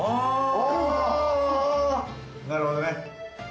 なるほどね。